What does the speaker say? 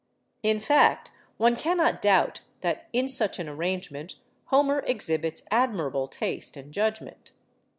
In fact, one cannot doubt that in such an arrangement Homer exhibits admirable taste and judgment.